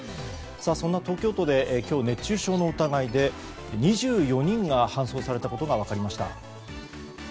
そんな東京都で今日、熱中症の疑いで２４人が搬送されたことが分かりました。